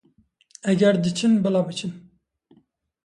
Eger diçin bila biçin.